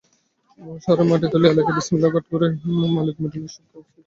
শহরের মাটিডালি এলাকার বিসমিল্লাহ কাঠ ঘরের মালিক মিঠু এসব গাছ কেটে নিচ্ছেন।